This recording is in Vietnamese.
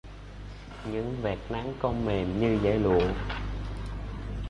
Những vạt nắng cong mềm như dải lụa